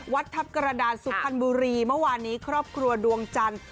วัดทัพกระดานสุพรรณบุรีเมื่อวานนี้ครอบครัวดวงจันทร์